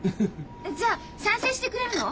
じゃあ賛成してくれるの？